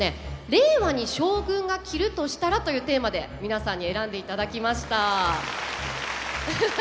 「令和に将軍が着るとしたら」というテーマで皆さんに選んで頂きました。